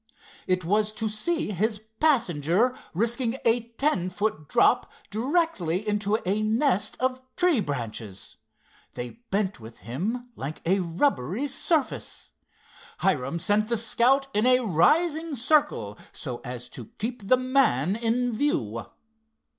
It was to see his passenger risking a ten foot drop directly into a nest of tree branches. They bent with him like a rubbery surface. Hiram sent the Scout in a rising circle so as to keep the man in view.